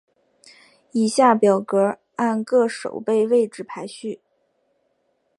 以下表格按各守备位置排序。